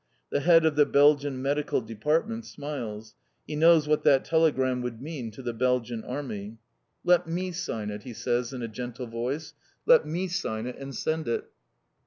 The Head of the Belgian Medical Department smiles. He knows what that telegram would mean to the Belgian Army. "Let me sign it," he says in a gentle voice, "let me sign it and send it.